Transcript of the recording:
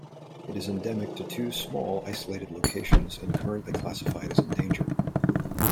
It is endemic to two small, isolated locations and currently classified as endangered.